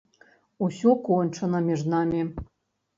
Усё кончана між намі!